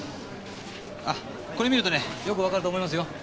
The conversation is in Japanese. あっこれ見るとねよくわかると思いますよ。